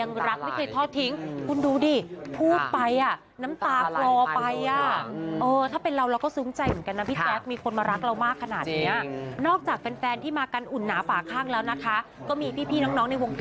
นี่มันคือหางนกยุงจริง